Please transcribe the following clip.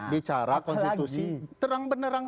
bicara konstitusi terang benerang